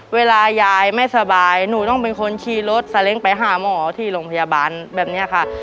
เวลายายไม่สบายหนูต้องเป็นคนขี่รถสาเล้งไปหาหมอที่โรงพยาบาลแบบนี้ค่ะ